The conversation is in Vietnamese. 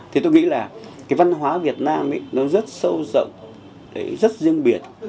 thì tôi nghĩ là cái văn hóa việt nam nó rất sâu rộng rất riêng biệt